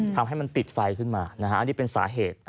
ทำให้มันติดไฟขึ้นมาอันนี้เป็นสาเหตุ